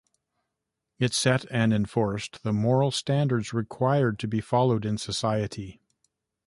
It set and enforced the moral standards required to be followed in society.